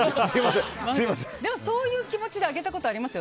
そういう気持ちであげたことありますよ。